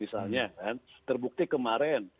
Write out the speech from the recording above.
misalnya terbukti kemarin